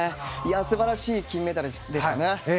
素晴らしい金メダルでしたね。